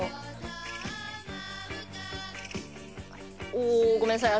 おおごめんなさい